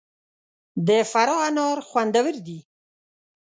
د فراه انار خوندور دي